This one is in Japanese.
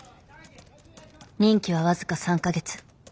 任期は僅か３か月。